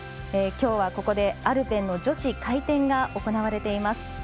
きょうはここで、アルペンの女子回転が行われています。